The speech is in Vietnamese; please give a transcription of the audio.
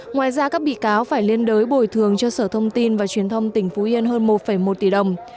ngoài ra các bị cáo phải liên đới bồi thường cho sở thông tin và truyền thông tỉnh phú yên hơn một một tỷ đồng